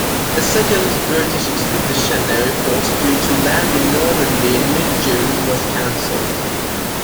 A second British Expeditionary Force, due to land in Normandy in mid-June, was cancelled.